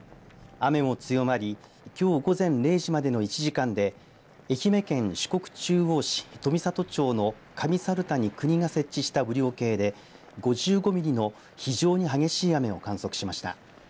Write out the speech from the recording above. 雨も強まりきょう午前０時までの１時間で愛媛県四国中央市富郷町の上猿田に国が設置した雨量計で５５ミリの非常に激しい雨を観測しました。